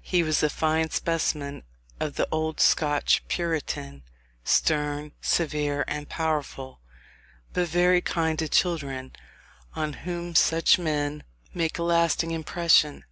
He was a fine specimen of the old Scotch puritan; stern, severe, and powerful, but very kind to children, on whom such men make a lasting impression.